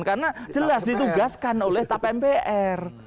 karena jelas ditugaskan oleh tap mpr